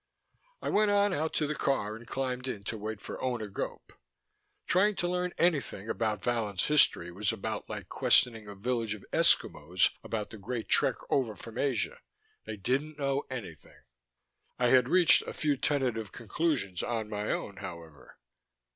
I went on out to the car and climbed in to wait for Owner Gope. Trying to learn anything about Vallon's history was about like questioning a village of Eskimos about the great trek over from Asia: they didn't know anything. I had reached a few tentative conclusions on my own, however.